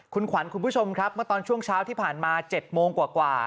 คุณขวัญคุณผู้ชมครับมาตอนช่วงเช้าที่ผ่านมาเจ็ดโมงกว่ากว่า